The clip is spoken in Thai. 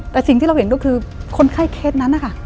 แต่สิ่งที่เราเห็นก็คือคนไข้เคสนั้นนะคะ